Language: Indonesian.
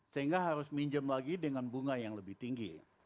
sehingga harus minjem lagi dengan bunga yang lebih tinggi